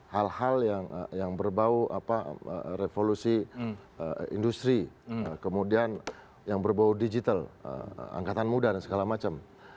hal hal yang berbau revolusi industri kemudian yang berbau digital angkatan muda dan segala macam